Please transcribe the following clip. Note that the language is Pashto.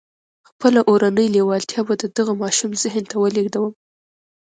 خپله اورنۍ لېوالتیا به د دغه ماشوم ذهن ته ولېږدوم.